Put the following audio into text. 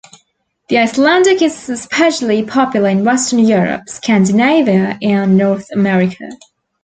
The Icelandic is especially popular in western Europe, Scandinavia, and North America.